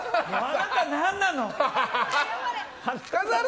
あなた何なの？